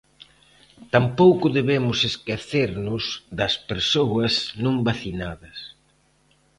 Tampouco debemos esquecernos das persoas non vacinadas.